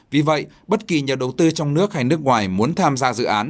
vì vậy bất kỳ nhà đầu tư trong nước hay nước ngoài muốn tham gia dự án